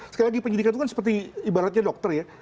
sekali lagi penyidikan itu kan seperti ibaratnya dokter ya